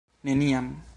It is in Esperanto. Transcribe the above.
neniam